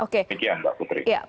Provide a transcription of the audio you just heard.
demikian mbak putri